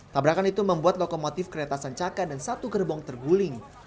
tabrakan itu membuat lokomotif kereta sancaka dan satu gerbong terguling